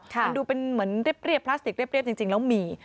มันดูเป็นเหมือนเรียบพลาสติกเรียบจริงแล้วมี